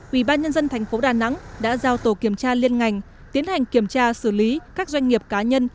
ubnd tp đà nẵng đã giao tổ kiểm tra liên ngành tiến hành kiểm tra xử lý các doanh nghiệp cá nhân